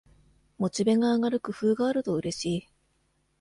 モチベが上がる工夫があるとうれしい